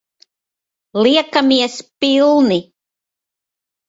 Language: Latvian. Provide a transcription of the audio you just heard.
Liekamies pilni.